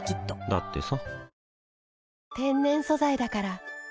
だってさ